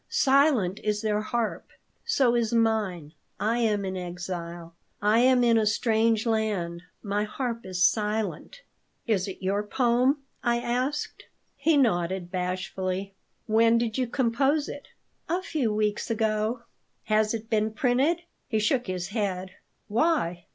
Silent is their harp. So is mine. I am in exile. I am in a strange land. My harp is silent." "Is it your poem?" I asked. He nodded bashfully "When did you compose it?" "A few weeks ago." "Has it been printed?" He shook his head "Why?"